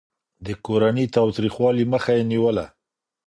د کورني تاوتريخوالي مخه يې نيوله.